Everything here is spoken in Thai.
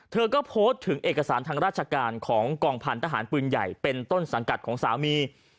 เธอก็โพสต์ถึงเอกสารทางราชการของกองพันธหารปืนใหญ่เป็นต้นสังกัดของสามี